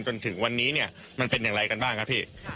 จนถึงวันนี้เนี่ยมันเป็นอย่างไรกันบ้างครับพี่